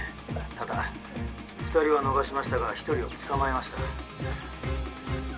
ただ２人は逃しましたが１人を捕まえました。